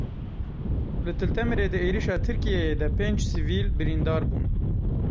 Li Til Temirê di êrişa Tirkiyeyê de pênc sivîl birîndar bûn.